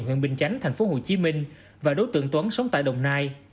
huyện bình chánh thành phố hồ chí minh và đối tượng tuấn sống tại đồng nai